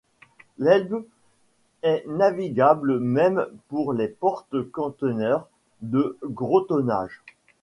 L'Elbe est navigable même pour les porte-conteneurs de gros tonnage.